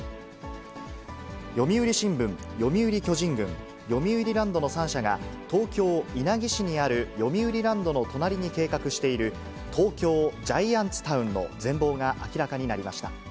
読売新聞、読売巨人軍、よみうりランドの３社が、東京・稲城市にあるよみうりランドの隣に計画している、ＴＯＫＹＯＧＩＡＮＴＳＴＯＷＮの全貌が明らかになりました。